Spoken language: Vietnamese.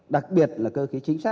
đặc biệt là cơ khí chính sách